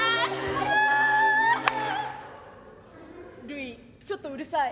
る以ちょっとうるさい。